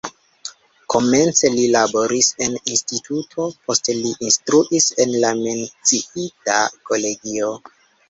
Komence li laboris en instituto, poste li instruis en la menciita kolegio.